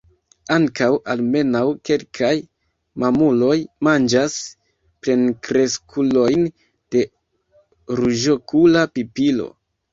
Ankaŭ almenaŭ kelkaj mamuloj manĝas plenkreskulojn de Ruĝokula pipilo.